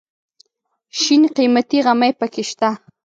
شین قیمتي غمی پکې شته.